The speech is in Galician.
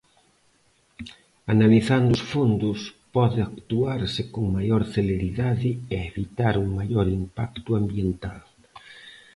Analizando os fondos, pode actuarse con maior celeridade e evitar un maior impacto ambiental.